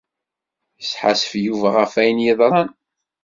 Yesḥassef Yuba ɣef wayen yeḍran.